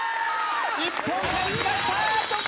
１本返しました。